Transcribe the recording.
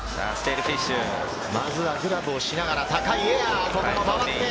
まずはグラブをしながら高いエア。